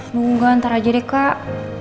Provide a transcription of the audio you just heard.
nunggu ntar aja deh kak